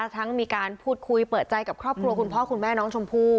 ทั้งมีการพูดคุยเปิดใจกับครอบครัวคุณพ่อคุณแม่น้องชมพู่